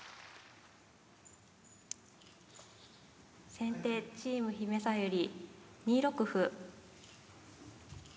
先手チームひめさゆり２六歩。